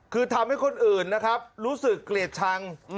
คือทำให้คนอื่นนะครับรู้สึกเกลียดชัง